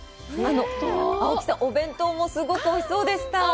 青木さん、あのお弁当もすごくおいしそうでした。